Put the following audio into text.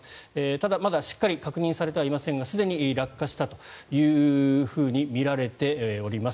ただ、まだしっかり確認されていませんがすでに落下したとみられています。